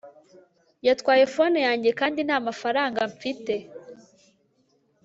yatwaye phone yanjye kandi ntamafaranga mfite